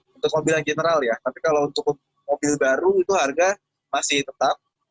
untuk mobil yang general ya tapi kalau untuk mobil baru itu harga masih tetap